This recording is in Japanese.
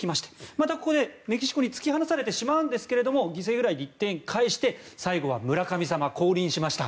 またここでメキシコに突き放されてしまうんですけども犠牲フライで１点返して最後は村神様、降臨しました。